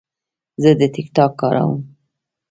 زه د ټک ټاک کاروم.